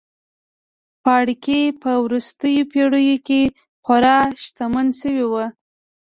پاړکي په وروستیو پېړیو کې خورا شتمن شوي وو.